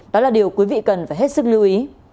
đó là điều quý vị cần phải hết sức lưu ý